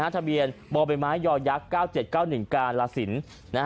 ทะเบียนบอเบนไม้ยอยักษ์๙๗๙๑กาลาศิลป์